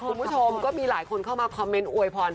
คุณผู้ชมก็มีหลายคนเข้ามาคอมเมนต์อวยพร